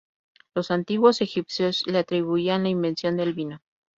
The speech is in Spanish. Los antiguos egipcios le atribuían la invención del vino.